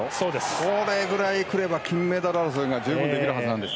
これぐらい来れば金メダル争いが十分できるはずです。